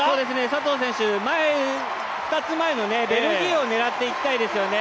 佐藤選手、２つ前のベルギーを狙っていきたいですよね。